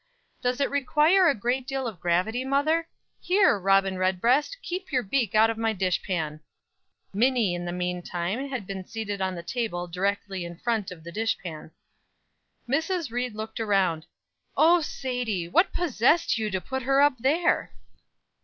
Does it require a great deal of gravity, mother? Here, Robin Redbreast, keep your beak out of my dish pan." Minnie, in the mean time, had been seated on the table, directly in front of the dish pan. Mrs. Ried looked around. "O Sadie! what possessed you to put her up there?"